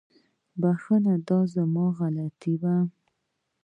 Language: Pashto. وبخښه، دا زما غلطي وه